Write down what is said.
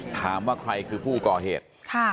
ถามว่าใครคือผู้ก่อเหตุ